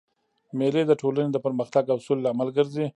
مېلې د ټولني د پرمختګ او سولي لامل ګرځي.